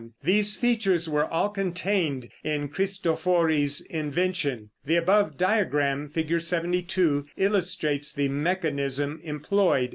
These features were all contained in Cristofori's invention. The above diagram, Fig. 72, illustrates the mechanism employed.